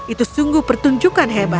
itu sungguh pertunjukan hebat